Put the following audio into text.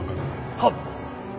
はっ！